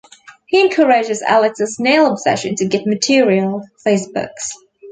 He encourages Alex's snail obsession to get material for his books.